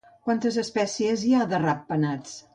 Quantes espècies hi ha de ratpenats?